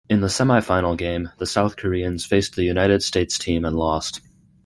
In the semi-final game, the South Koreans faced the United States team and lost.